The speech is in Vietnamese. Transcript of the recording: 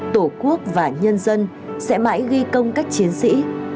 tổ quốc và nhân dân sẽ mãi ghi công các chiến sĩ